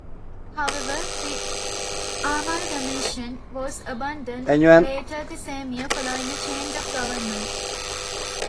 However, the amalgamation was abandoned later the same year following a change of Government.